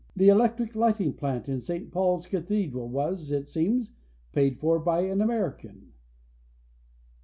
The electric lighting plant in St. Paul's Cathedral Was, it seems, paid for by an American.